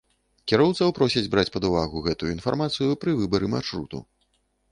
Кіроўцаў просяць браць пад увагу гэтую інфармацыю пры выбары маршруту.